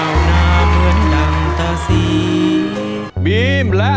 นั่งดูโทรธรรมที่บ้านครับนั่งดูโทรธรรมที่บ้านครับ